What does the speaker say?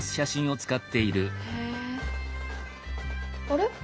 あれ？